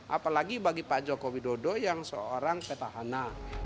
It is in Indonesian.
apalagi bagi pak jokowi dodo yang seorang petahana